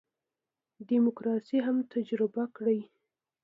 دیموکراسي هم تجربه کړي.